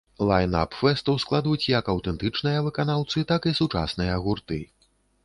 Лайн-ап фэсту складуць як аўтэнтычныя выканаўцы, так і сучасныя гурты.